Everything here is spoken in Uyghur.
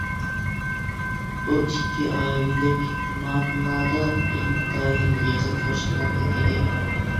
بۇ ئىككى ئائىلىلىك مانىلادا ئىنتايىن يېقىن قوشنىلاردىن ئىدى.